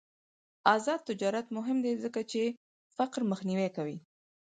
آزاد تجارت مهم دی ځکه چې فقر مخنیوی کوي.